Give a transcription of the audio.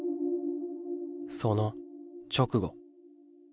その直後。